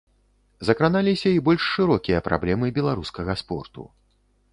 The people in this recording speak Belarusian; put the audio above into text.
Закраналіся і больш шырокія праблемы беларускага спорту.